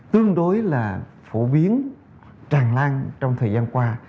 tương đối là phổ biến tràn lan trong thời gian qua